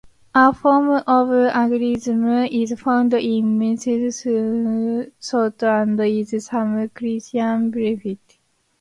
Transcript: A form of agathism is found in Muslim thought and in some Christian beliefs.